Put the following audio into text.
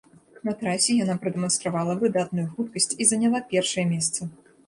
На трасе яна прадэманстравала выдатную хуткасць і заняла першае месца.